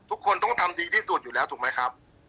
ทุกคนต้องทำดีที่สุดอยู่แล้วถูกไหมครับ